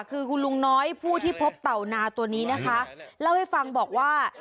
คือคุณลุงน้อยผู้ที่พบเต่านาตัวนี้นะคะเล่าให้ฟังบอกว่า